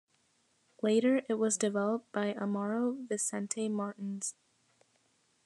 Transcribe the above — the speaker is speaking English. Later it was developed by Amaro Vicente Martins.